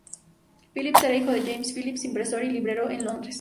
Phillips era hijo de James Phillips, impresor y librero en Londres.